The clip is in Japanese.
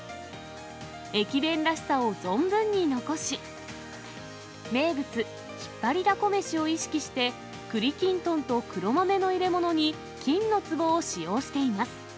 駅弁らしさを存分に残し、名物、ひっぱりだこ飯を意識して、くりきんとんと黒豆の入れ物に金のつぼを使用しています。